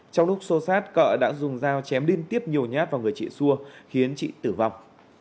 trong lúc xô xát cọ đã dùng dao chém liên tiếp nhiều nhát vào người chị xua khiến chị tử vong